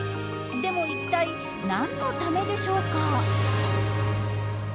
でも一体何のためでしょうか？